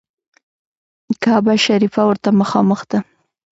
کعبه شریفه ورته مخامخ ده.